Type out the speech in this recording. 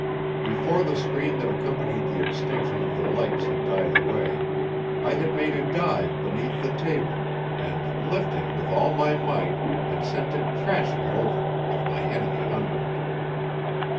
Before the scream that accompanied the extinction of the lights had died away, I had made a dive beneath the table, and, lifting with all my might, had sent it crashing over with my enemy under it.